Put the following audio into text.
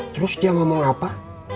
terus dia ngomong apa